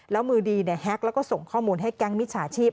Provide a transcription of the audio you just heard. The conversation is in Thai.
แล้วมือดีแฮ็กแล้วก็ส่งข้อมูลให้แก๊งมิจฉาชีพ